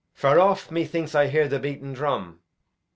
Far off methinks I hear the beaten drum.